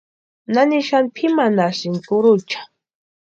¿Nani xani pʼimanhasïnki kurucha?